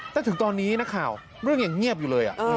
แต่ถึงตอนนี้นักข่าวเรื่องยังเงียบอยู่เลย